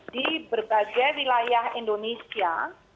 di berbagai wilayah indonesia